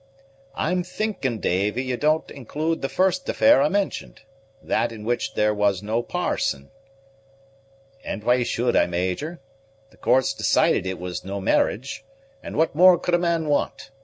"I'm thinking, Davy, you don't include the first affair I mentioned; that in which there was no parson." "And why should I Major? The courts decided that it was no marriage; and what more could a man want?